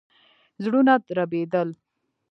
زړونه دربېدل.